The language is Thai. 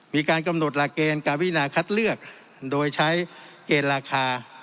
มีการกำหนดหลักเกณฑ์การวินาคัดเลือกโดยใช้เกณฑ์ราคา